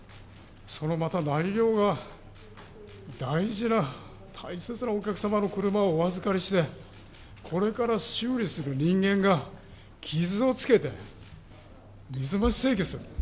そのまた内容が、大事な、大切なお客様の車をお預かりして、これから修理する人間が傷をつけて水増し請求する。